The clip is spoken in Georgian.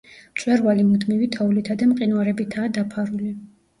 მწვერვალი მუდმივი თოვლითა და მყინვარებითაა დაფარული.